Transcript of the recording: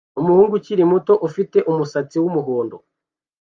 Umuhungu ukiri muto ufite umusatsi wumuhondo